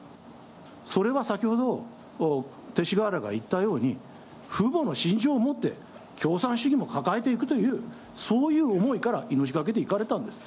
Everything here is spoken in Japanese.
それは先ほど、勅使河原が言ったように、父母の信条をもって共産主義も抱えていくというそういう思いから命懸けで行かれたんです。